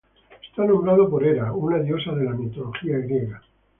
Está nombrado por Hera, una diosa de la mitología griega.